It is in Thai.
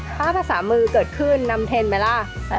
ถ้าภาษามือเกิดขึ้นนำเทรนดไหมล่ะ